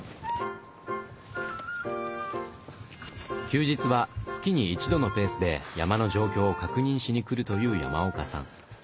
休日は月に一度のペースで山の状況を確認しに来るという山岡さん。